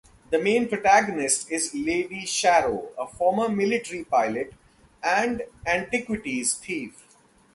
The main protagonist is Lady Sharrow, a former military pilot and antiquities thief.